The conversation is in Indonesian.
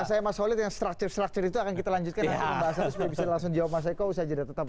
saya masih ada yang structure structure itu akan kita lanjutkan langsung jawab saya kok saja tetap